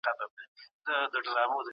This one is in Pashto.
افغان لوستونکي هم له چیخوف سره اشنا شول.